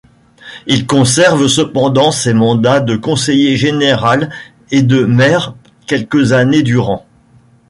Il conserve cependant ses mandats de conseiller général et de maire quelques années durant.